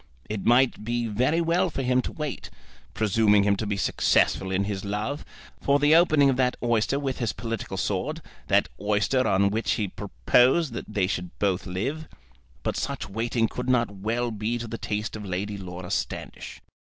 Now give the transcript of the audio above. It might be very well for him to wait, presuming him to be successful in his love, for the opening of that oyster with his political sword, that oyster on which he proposed that they should both live; but such waiting could not well be to the taste of Lady Laura Standish.